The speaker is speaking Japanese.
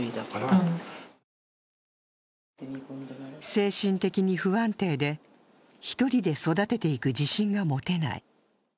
精神的に不安定で、１人で育てていく自信が持てない。